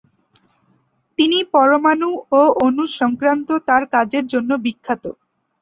তিনি পরমাণু ও অণু সংক্রান্ত তার কাজের জন্য বিখ্যাত।